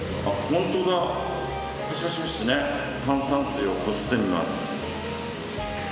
炭酸水をこすってみます。